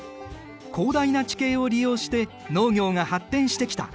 広大な地形を利用して農業が発展してきた。